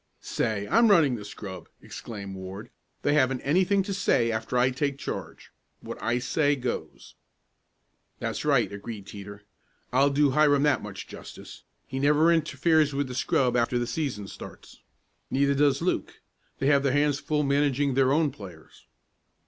"Say, I'm running the scrub!" exclaimed Ward. "They haven't anything to say after I take charge. What I say goes!" "That's right," agreed Teeter. "I'll do Hiram that much justice. He never interferes with the scrub after the season starts. Neither does Luke. They have their hands full managing their own players."